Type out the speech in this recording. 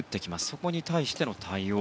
そこに対しての対応。